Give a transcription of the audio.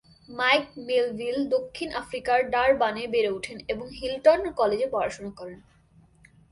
Mic Melville দক্ষিণ আফ্রিকার ডারবানে বেড়ে ওঠেন এবং হিলটন কলেজে পড়াশোনা করেন।